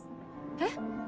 えっ？